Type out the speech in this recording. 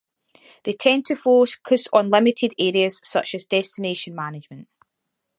They tend to focus on limited areas such as destination management.